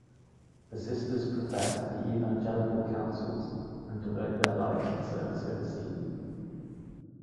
The sisters profess the evangelical counsels and devote their lives in service overseas.